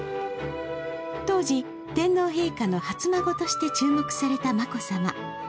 当時、天皇陛下の初孫として注目された眞子さま。